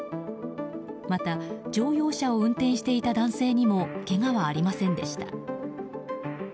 また乗用車を運転していた男性にもけがはありませんでした。